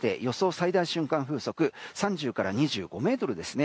最大瞬間風速３０から２５メートルですね。